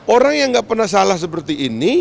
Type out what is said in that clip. orang yang gak pernah salah seperti ini